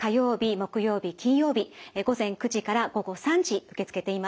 木曜日金曜日午前９時から午後３時受け付けています。